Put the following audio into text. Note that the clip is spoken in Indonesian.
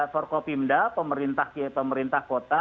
forkopimda pemerintah kota